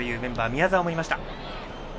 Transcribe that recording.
宮澤もいました。